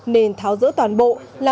nên tháo giữa toàn bộ